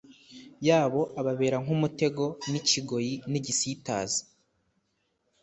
Yabo ababera nkumutego nikigoyi nigisitaza